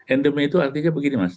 endemi itu artinya begini mas